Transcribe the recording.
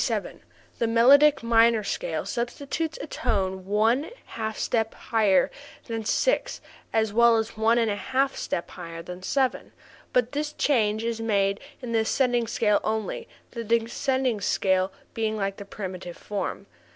The melodic minor scale substitutes a tone one half step higher than six as well as one a half step higher than seven, but this change is made in the ascending scale only, the descending scale being like the primitive form.